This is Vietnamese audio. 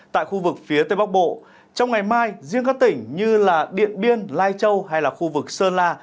tại khu vực phía tây bắc bộ trong ngày mai riêng các tỉnh như điện biên lai châu hay khu vực sơn la